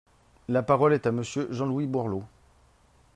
La parole est à Monsieur Jean-Louis Borloo.